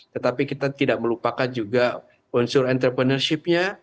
tetapi kita tidak melupakan juga unsur entrepreneurship nya